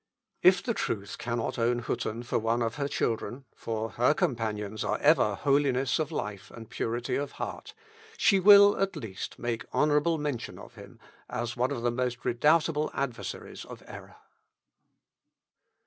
If the truth cannot own Hütten for one of her children, (for her companions are ever holiness of life and purity of heart,) she will, at least, make honourable mention of him, as one of the most readoubtable adversaries of error.